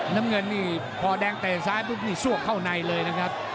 น้ำเงินนี่พอแดงแต่งซ้ายซวกเข้าในเลยนะครับ